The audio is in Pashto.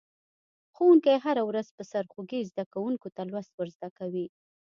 ښوونکی هره ورځ په سرخوږي زده کونکو ته لوست ور زده کوي.